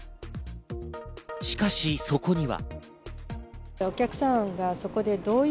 しかし、そこには。